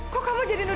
kok kamu jadi nudu ma